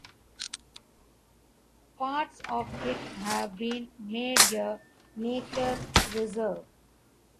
Parts of it have been made a nature reserve.